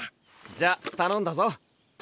じゃあたのんだぞ。